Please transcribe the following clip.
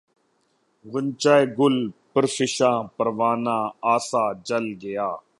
غنچۂ گل پرفشاں پروانہ آسا جل گیا